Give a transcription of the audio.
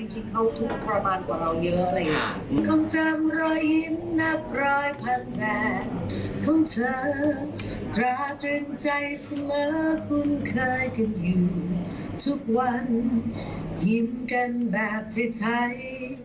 จริงเขาทุกข์ประมาณกว่าเราเยอะอะไรอย่างนี้